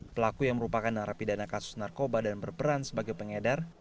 pelaku yang merupakan narapidana kasus narkoba dan berperan sebagai pengedar